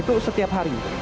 itu setiap hari